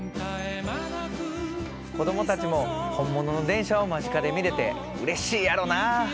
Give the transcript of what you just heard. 子供たちも本物の電車を間近で見れてうれしいやろな。